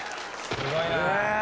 すごいな。